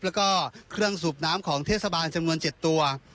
แล้วก็เครื่องสูบน้ำของเทศบาลจำนวน๗ตัว